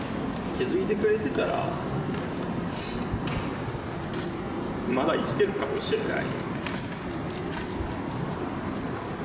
気付いてくれてたら、まだ生きてるかもしれない。